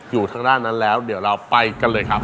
อยู่ทางด้านนั้นแล้วเดี๋ยวเราไปกันเลยครับ